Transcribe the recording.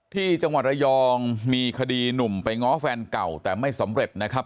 ที่จังหวัดระยองมีคดีหนุ่มไปง้อแฟนเก่าแต่ไม่สำเร็จนะครับ